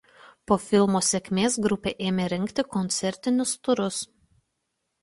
Po filmo sėkmės grupė ėmė rengti koncertinius turus.